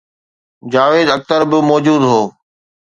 جاويد اختر به موجود هو